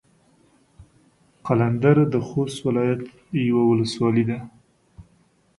قلندر د خوست ولايت يوه ولسوالي ده.